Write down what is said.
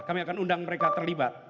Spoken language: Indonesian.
kami akan undang mereka terlibat